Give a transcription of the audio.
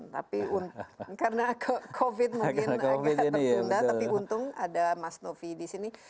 tapi karena covid mungkin agak tertunda tapi untung ada mas novi di sini